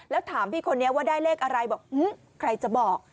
แล้วถามพี่คนนี้ว่าได้เลขอะไรบอกใครจะบอก